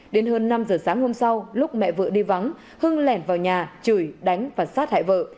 đến hơn năm giờ sáng hôm sau lúc mẹ vợ đi vắng hưng lẻn vào nhà chửi đánh và sát hại vợ